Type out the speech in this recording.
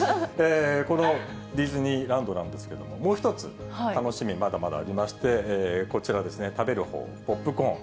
このディズニーランドなんですけれども、もう１つ、楽しみ、まだまだありまして、こちら食べるほう、ポップコーン。